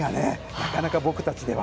なかなか僕たちでは。